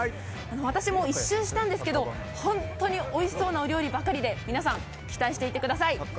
私も１周したんですけど本当においしそうなお料理ばかりで、皆さん期待してください！